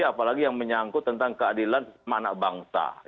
apalagi yang menyangkut tentang keadilan anak bangsa